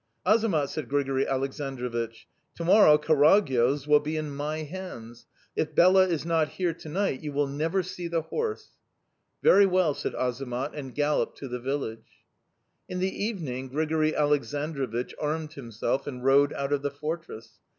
"'Azamat!' said Grigori Aleksandrovich; 'to morrow Karagyoz will be in my hands; if Bela is not here to night you will never see the horse.'.. "'Very well,' said Azamat, and galloped to the village. "In the evening Grigori Aleksandrovich armed himself and rode out of the fortress.